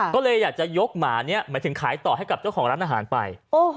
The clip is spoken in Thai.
ก็เลยอยากจะยกหมานี้หมายถึงขายต่อให้กับเจ้าของร้านอาหารไป